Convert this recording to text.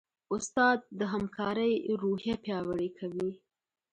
استاد د همکارۍ روحیه پیاوړې کوي.